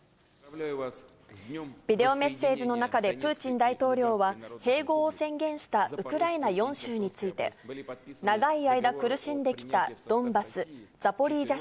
ビデオメッセージの中で、プーチン大統領は、併合を宣言したウクライナ４州について、長い間苦しんできたドンバス、ザポリージャ